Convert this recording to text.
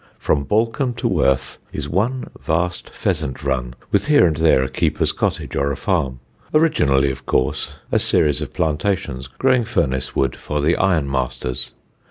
From Balcombe to Worth is one vast pheasant run, with here and there a keeper's cottage or a farm: originally, of course, a series of plantations growing furnace wood for the ironmasters.